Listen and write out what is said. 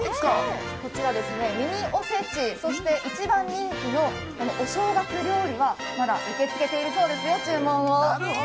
こちらミニおせちそして、一番人気のお正月料理はまだ受け付けているそうですよ注文を。